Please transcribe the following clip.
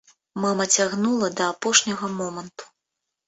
Мама цягнула да апошняга моманту.